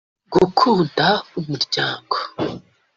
Gukunda umuryango